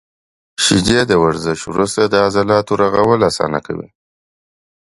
• شیدې د ورزش وروسته د عضلاتو رغول اسانه کوي.